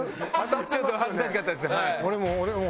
ちょっと恥ずかしかったです。